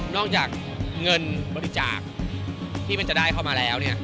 อกจากเงินบริจาคที่มันจะได้เข้ามาแล้ว